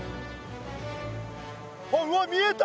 あっうわ見えた！